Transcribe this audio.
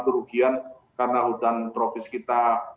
kerugian karena hutan tropis kita